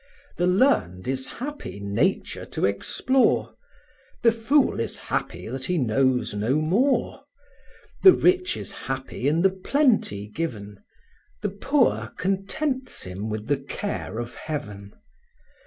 The learned is happy nature to explore, The fool is happy that he knows no more; The rich is happy in the plenty given, The poor contents him with the care of Heaven.